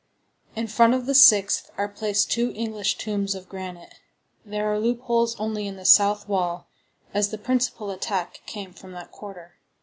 In front of the sixth are placed two English tombs of granite. There are loopholes only in the south wall, as the principal attack came from that quarter.